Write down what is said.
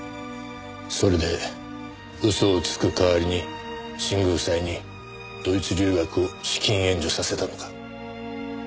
それで嘘をつく代わりに新宮夫妻にドイツ留学を資金援助させたのか？